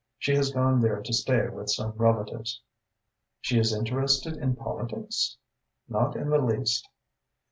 "She has gone there to stay with some relatives." "She is interested in politics?" "Not in the least."